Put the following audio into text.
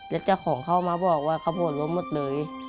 เด็กเจ้าของเขามาบอกว่าครับโหดล้มหมดเลย